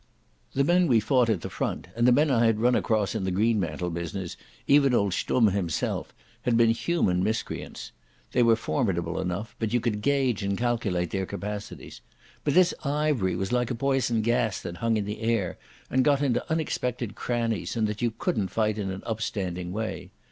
The men we fought at the Front and the men I had run across in the Greenmantle business, even old Stumm himself, had been human miscreants. They were formidable enough, but you could gauge and calculate their capacities. But this Ivery was like a poison gas that hung in the air and got into unexpected crannies and that you couldn't fight in an upstanding way.